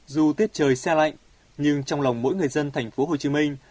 dù tiết trời xe lạnh nhưng trong lòng mỗi người dân thành phố hồ chí minh